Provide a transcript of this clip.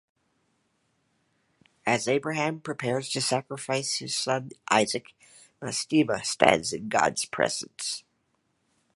As Abraham prepares to sacrifice his son Isaac, Mastema stands in God's presence.